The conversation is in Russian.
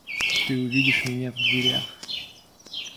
Ты увидишь меня в дверях.